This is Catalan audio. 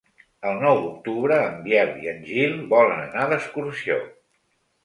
El nou d'octubre en Biel i en Gil volen anar d'excursió.